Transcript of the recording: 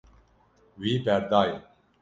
Wî berdaye.